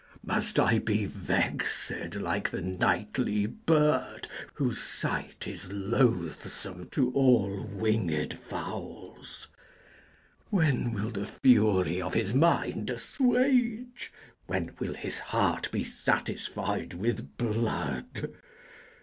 Must I be vexed like the nightly bird, Whose sight is loathsome to all winged fowls? When will the fury of his mind assuage? When will his heart be satisfied with blood?